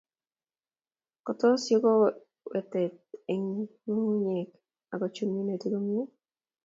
Kotes yokwotet eng ngungunyek akochun minutik komie